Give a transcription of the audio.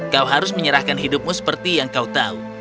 kau harus menyerahkan hidupmu seperti yang kau tahu